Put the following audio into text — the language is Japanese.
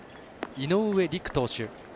井上陸投手。